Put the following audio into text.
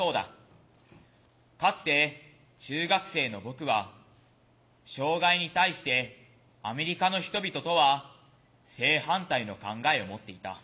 かつて中学生の僕は障害に対してアメリカの人々とは正反対の考えを持っていた。